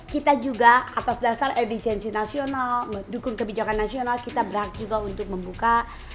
kita juga atas dasar efisiensi nasional mendukung kebijakan nasional kita berhak juga untuk membuka